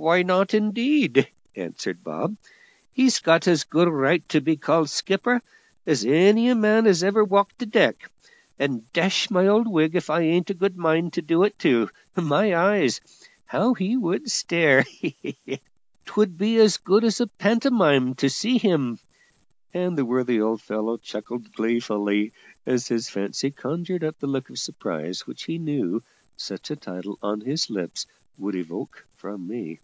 "Why not, indeed?" answered Bob. "He's got as good a right to be called `skipper' as e'er a man as ever walked a deck; and dash my old wig if I ain't a good mind to do it, too; my eyes! how he would stare. 'Twould be as good as a pantomime to see him;" and the worthy old fellow chuckled gleefully as his fancy conjured up the look of surprise which he knew such a title on his lips would evoke from me.